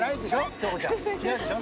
京子ちゃん違うでしょ。